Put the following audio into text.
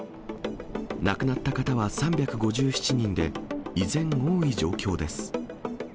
亡くなった方は３５７人で、依然、多い状況です。